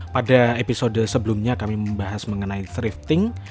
pada episode sebelumnya kami membahas mengenai thrifting